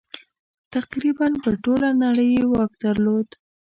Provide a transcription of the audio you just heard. تقریباً پر ټوله نړۍ یې واک درلود.